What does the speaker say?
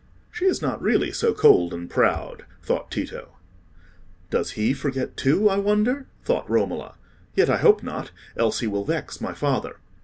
"She is not really so cold and proud," thought Tito. "Does he forget too, I wonder?" thought Romola, "Yet I hope not, else he will vex my father."